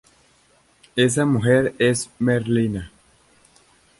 Esa mujer es Merlina.